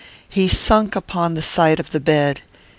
He sunk upon the side of the bed.